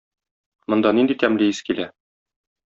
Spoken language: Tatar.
Монда нинди тәмле ис килә!